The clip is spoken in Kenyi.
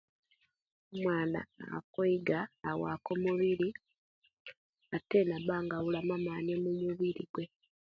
Omwaana akweiga awaku omubiri, aate nabanga abulamu amaani omumubiri gwe.